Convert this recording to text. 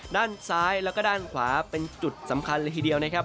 ด้านซ้ายแล้วก็ด้านขวาเป็นจุดสำคัญเลยทีเดียวนะครับ